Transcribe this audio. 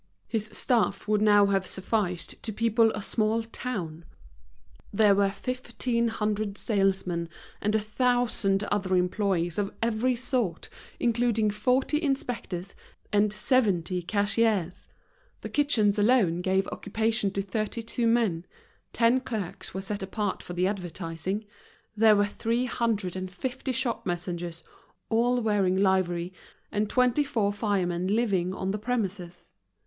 His staff would now have sufficed to people a small town: there were fifteen hundred salesmen, and a thousand other employees of every sort, including forty inspectors and seventy cashiers; the kitchens alone gave occupation to thirty two men; ten clerks were set apart for the advertising; there were three hundred and fifty shop messengers, all wearing livery, and twenty four firemen living on the premises.